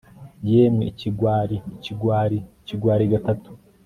Yemwe ikigwari ikigwari ikigwari gatatu